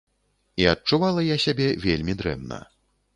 І адчувала я сябе вельмі дрэнна.